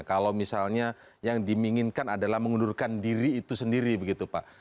kalau misalnya yang diminginkan adalah mengundurkan diri itu sendiri begitu pak